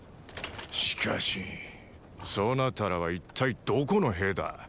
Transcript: しかしそなたらは一体どこの兵だ？